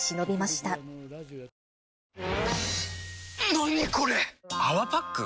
何これ⁉「泡パック」？